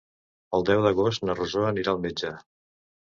El deu d'agost na Rosó anirà al metge.